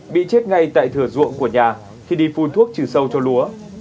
bị chết ngay tại thừa ruộng của nhà khi đi phun thuốc trừ sâu cho lúa